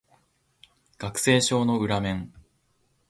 学生証の裏面